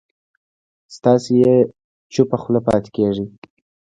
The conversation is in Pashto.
ستایي یې چوپه خوله پاتې کېږي